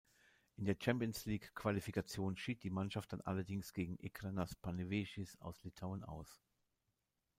In der Champions-League-Qualifikation schied die Mannschaft dann allerdings gegen Ekranas Panevėžys aus Litauen aus.